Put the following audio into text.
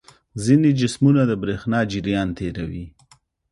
ځینې جسمونه د برېښنا جریان تیروي.